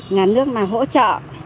ngàn nước mà hỗ trợ